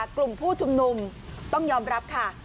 กลุ่มผู้ชุมนุมต้องยอมรับค่ะ